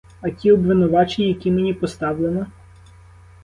А ті обвинувачення, які мені поставлено?